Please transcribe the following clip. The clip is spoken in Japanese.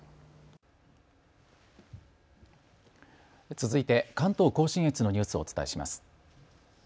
続いて関東甲信越のニュースをお伝えします。